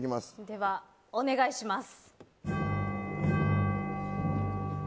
では、お願いします。